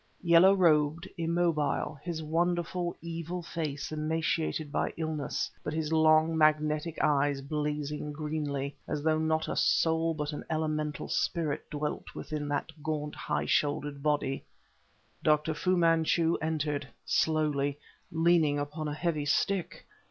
yellow robed, immobile, his wonderful, evil face emaciated by illness, but his long, magnetic eyes blazing greenly, as though not a soul but an elemental spirit dwelt within that gaunt, high shouldered body, Dr. Fu Manchu entered, slowly, leaning upon a heavy stick!